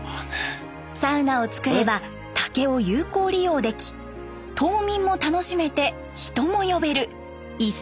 サウナを造れば竹を有効利用でき島民も楽しめて人も呼べる一石三鳥。